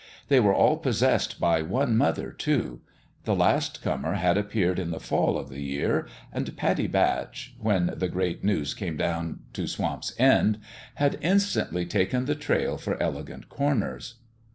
They were all possessed by one mother, too. The last comer had appeared in the fall of the year ; and Pattie Batch when the great news came down to Swamp's End had instantly taken the trail for Elegant Corners.